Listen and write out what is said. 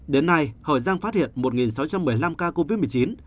đến nay hậu giang phát hiện một sáu trăm một mươi năm ca covid một mươi chín